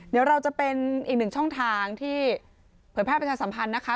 เดี๋ยวเราจะเป็นอีกหนึ่งช่องทางที่เผยแพร่ประชาสัมพันธ์นะคะ